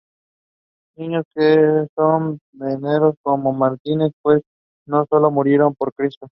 Niños que son venerados como mártires pues no sólo murieron por Cristo.